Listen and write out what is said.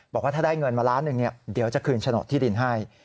บอกว่าถ้าได้เงินมาล้านหนึ่งเดี๋ยวจะคืนโฉนดที่ดินให้